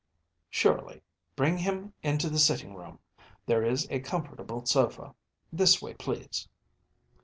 ‚ÄĚ “Surely. Bring him into the sitting room. There is a comfortable sofa. This way, please!